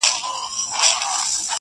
دا موږ ولي همېشه غم ته پیدا یو٫